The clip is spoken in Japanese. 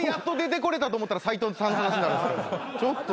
ちょっと。